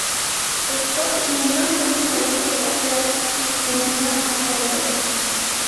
Scott nombró entonces al otro glaciar en honor a Taylor.